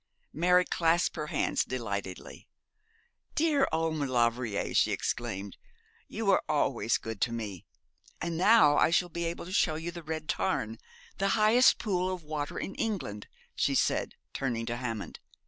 Mary clasped her hands delightedly. 'Dear old Maulevrier!' she exclaimed, 'you are always good to me. And now I shall be able to show you the Red Tarn, the highest pool of water in England,' she said, turning to Hammond.